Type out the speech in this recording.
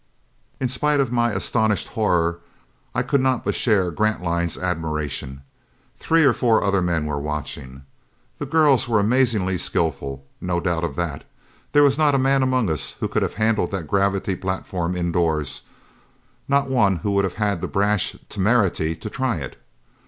In spite of my astonished horror, I could not but share Grantline's admiration. Three or four other men were watching. The girls were amazingly skillful, no doubt of that. There was not a man among us who could have handled that gravity platform indoors, not one who would have had the brash temerity to try it.